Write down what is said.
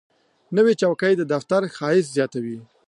نوې چوکۍ د دفتر ښایست زیاتوي